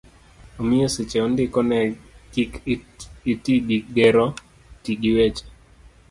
omiyo seche ma indiko ne kik iti gi gero, ti gi weche